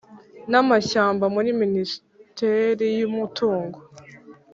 N amashyamba muri minisiteri y umutungo